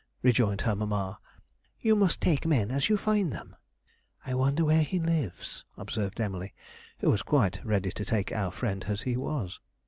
rejoined her mamma; 'you must take men as you find them.' 'I wonder where he lives?' observed Emily, who was quite ready to take our friend as he was.